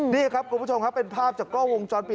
นี่ครับคุณผู้ชมครับเป็นภาพจากกล้องวงจรปิด